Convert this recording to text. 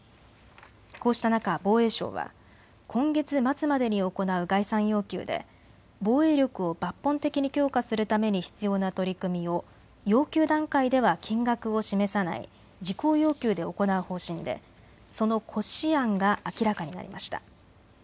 こうした中、防衛省は今月末までに行う概算要求で防衛力を抜本的に強化するために必要な取り組みを要求段階では金額を示さない事項要求で行う方針でその骨子案が明らかになりました。